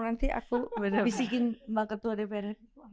bisa bikin mbak ketua dpr